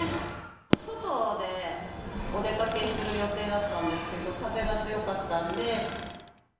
外でお出かけする予定だったんですけど、風が強かったんで。